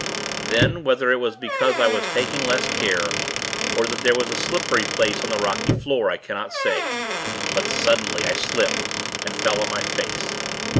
Then, whether it was because I was taking less care, or that there was a slippery place on the rocky floor, I cannot say; but, suddenly, I slipped, and fell on my face.